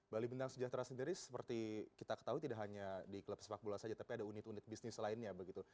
bali bintang sejahtera sendiri seperti kita ketahui tidak hanya di klub sepak bola saja tapi ada unit unit bisnis lainnya begitu